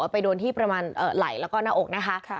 ไปโดนที่ประมาณไหล่แล้วก็หน้าอกนะคะ